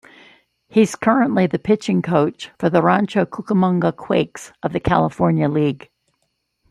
He's currently the pitching coach for the Rancho Cucamonga Quakes of the California League.